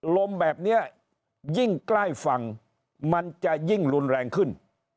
ลมแบบนี้ยิ่งใกล้ฝั่งมันจะยิ่งรุนแรงขึ้น